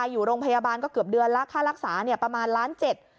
อยู่โรงพยาบาลก็เกือบเดือนแล้วค่ารักษาประมาณล้านเจ็ด